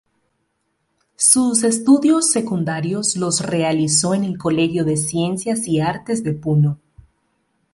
Su estudios secundarios los realizó en el Colegio de Ciencias y Artes de Puno.